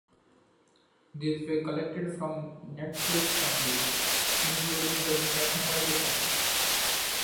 These were collected from Natchez families, including the McMurran family.